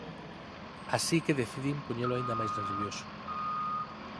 Así que decidín poñelo aínda máis nervioso.